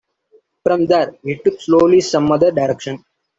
From there we took slowly some other direction.